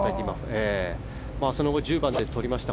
その後、１０番でとりました